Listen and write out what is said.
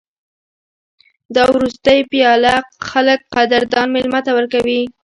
دا وروستۍ پیاله خلک قدردان مېلمه ته ورکوي.